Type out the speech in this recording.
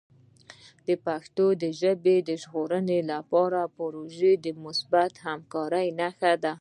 د پښتو ژبې د ژغورنې لپاره پروژه د مثبتې همکارۍ نښه ده.